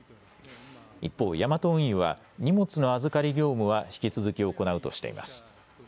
一方、ヤマト運輸は荷物の預かり業務は引き続き行うとしています。